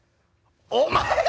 お前！